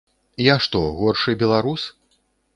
Я што, горшы беларус?